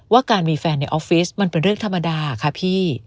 ว่าการมีแฟนในออฟฟิศมันเป็นเรื่องธรรมดาค่ะพี่